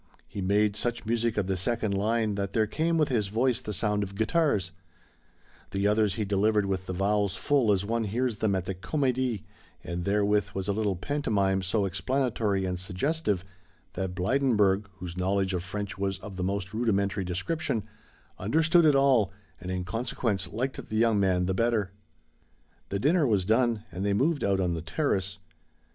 He made such music of the second line that there came with his voice the sound of guitars; the others he delivered with the vowels full as one hears them at the Comédie, and therewith was a little pantomime so explanatory and suggestive that Blydenburg, whose knowledge of French was of the most rudimentary description, understood it all, and, in consequence, liked the young man the better. The dinner was done, and they moved out on the terrace.